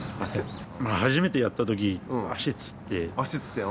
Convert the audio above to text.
初めてやったとき足つって。